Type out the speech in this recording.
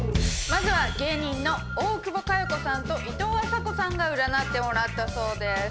まずは芸人の大久保佳代子さんといとうあさこさんが占ってもらったそうです。